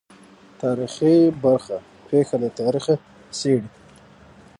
تاریخي برخه پېښه له تاریخه څېړي.